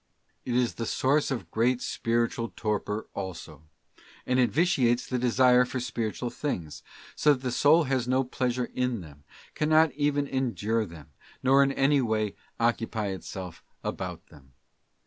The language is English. It is the source of great spiritual torpor also, and it vitiates the desire for spiritual things, so that the soul has no pleasure in them, cannot even endure them, nor in any way occupy itself about them.